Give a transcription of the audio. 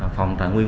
phòng tàn nguyên